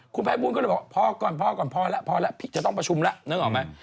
คุณภัยบูลก็เลยบอกพอก่อนพอก่อนพอแล้วพอแล้วพี่จะต้องประชุมแล้วนึกออกไหม